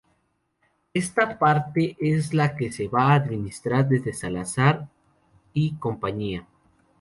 Esta parte es la que se va a administrar desde Salazar y Compañía.